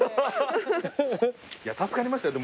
助かりましたよ